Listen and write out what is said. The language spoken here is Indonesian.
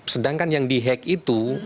sedangkan yang di hack itu